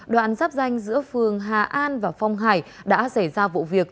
đoạn giáp danh giữa phường hà an và phong hải đã xảy ra vụ việc